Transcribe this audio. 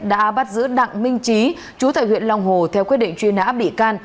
đã bắt giữ đặng minh trí chú thầy huyện long hồ theo quyết định truy nã bị can